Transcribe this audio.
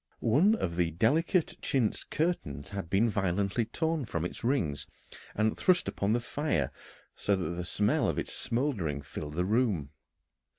One of the delicate chintz curtains had been violently torn from its rings and thrust upon the fire, so that the smell of its smouldering filled the room.